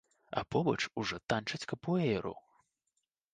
А побач ужо танчаць капуэйру!